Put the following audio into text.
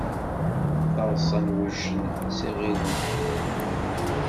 Taḍsa n wuccen s iɣiden.